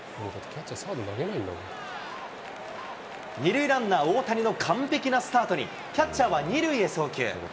２塁ランナー、大谷の完璧なスタートに、キャッチャーは２塁へ送球。